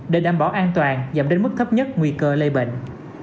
để đảm bảo an toàn giảm đến mức thấp nhất nguy cơ lây bệnh